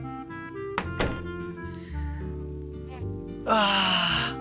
ああ。